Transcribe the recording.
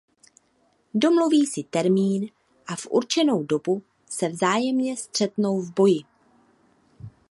Domluví si termín a v určenou dobu se vzájemně střetnou v boji.